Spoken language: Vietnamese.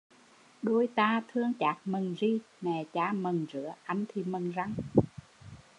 Đôi ta thương chác mần ri, mẹ cha mần rứa, anh thì mần răn